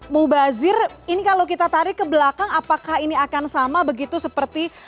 mubazir ini kalau kita tarik ke belakang apakah ini akan sama begitu seperti